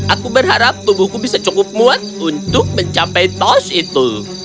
aku berharap tubuhku bisa cukup muat untuk mencapai tos itu